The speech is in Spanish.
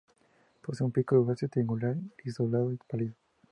Posee un pico grueso, triangular, gris-azulado pálido.